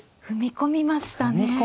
踏み込みましたね。